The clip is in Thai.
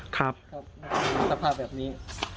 ครับสภาพแบบนี้